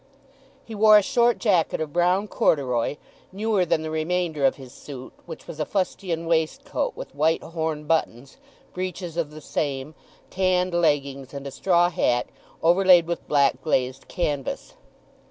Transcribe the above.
He wore a short jacket of brown corduroy, newer than the remainder of his suit, which was a fustian waistcoat with white horn buttons, breeches of the same, tanned leggings, and a straw hat overlaid with black glazed canvas.